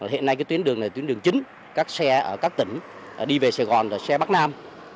hiện nay tuyến đường này là tuyến đường chính các xe ở các tỉnh đi về sài gòn là xe bắc nam